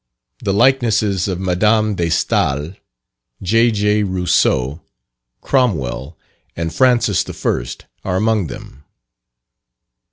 The likenesses of Madame de Stael, J.J. Rousseau, Cromwell, and Francis I., are among them.